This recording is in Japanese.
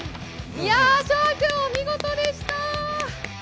翔海君、お見事でした。